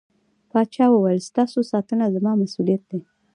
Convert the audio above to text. پاچا وويل: ستاسو ساتنه زما مسووليت دى.